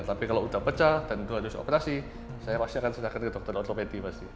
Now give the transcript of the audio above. tapi kalau udah pecah dan itu harus operasi saya pasti akan sediakan ke dokter otopedi pasti